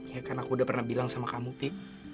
ya kan aku udah pernah bilang sama kamu pi